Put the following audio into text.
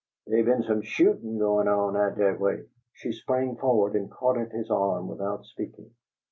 Dey be'n some shootin' goin' on out dat way." She sprang forward and caught at his arm without speaking.